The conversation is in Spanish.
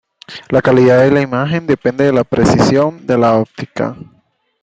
La calidad de la imagen depende de la precisión de la óptica.